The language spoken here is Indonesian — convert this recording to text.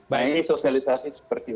baik ini sosialisasi seperti itu